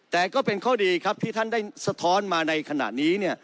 แต่ก็เป็นข้อดีครับที่ท่านได้สะท้อนมาในขณะนี้